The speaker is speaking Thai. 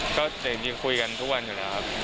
ก็แต่จริงคุยกันทุกวันอยู่แล้วครับ